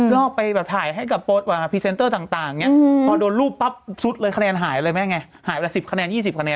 ลอกไปถ่ายให้พูดกับพิเศนเตอร์ต่างพอโดนรูปทรุดคาแนนหายแล้ว๑๐๒๐คะแนนทำไง